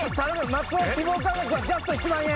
松尾希望価格はジャスト１万円！